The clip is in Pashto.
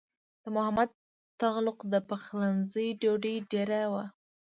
د محمد تغلق د پخلنځي ډوډۍ ډېره وه.